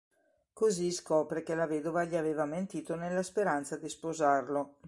Così scopre che la vedova gli aveva mentito nella speranza di sposarlo.